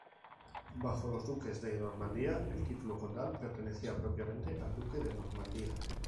Bajo los duques de Normandía, el título condal pertenecía propiamente al duque de Normandía.